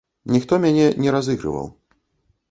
Ніхто мяне не разыгрываў.